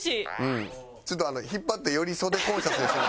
ちょっと引っ張ってより袖コンシャスにするの。